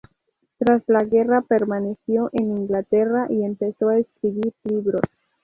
Tras la guerra, permaneció en Inglaterra y empezó a escribir libros.